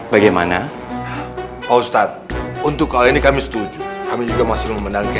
bagaimana ustadz untuk hal ini kami setuju kami juga masih memenangkan